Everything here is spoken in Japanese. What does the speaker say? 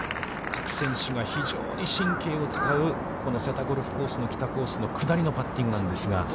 各選手が非常に神経を使うこの瀬田ゴルフコースの北コースの下りのパッティングなんですが。